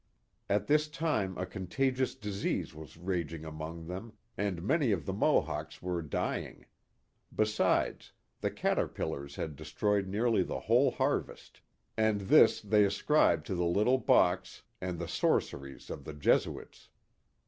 At this time a contagious disease was raging among them, and many of the Mohawks were dy ing; besides, the caterpillars had destroyed nearly the whole harvest, and this they ascribed to the little box and the sor ceries of the Jesuits.